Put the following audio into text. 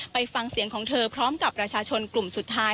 ไปฟังเสียงของเธอพร้อมกับประชาชนกลุ่มสุดท้าย